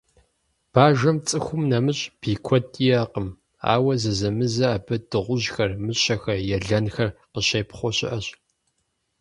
Бажэм цӀыхум нэмыщӀ бий куэд иӀэкъым, ауэ зэзэмызэ абы дыгъужьхэр, мыщэхэр, елэнхэр къыщепхъуэ щыӏэщ.